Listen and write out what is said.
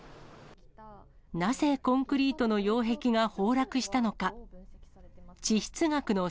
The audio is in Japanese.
なぜコンクリートの擁壁が崩落したのか。